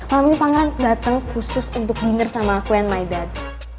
malam ini pangeran dateng khusus untuk dinner sama aku and my dad